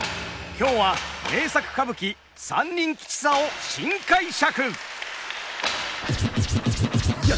今日は名作歌舞伎「三人吉三」を新解釈！